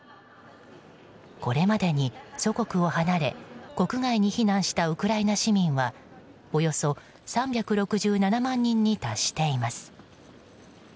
これまでに祖国を離れ国外に避難したウクライナ市民はおよそ３６７万人に達しています。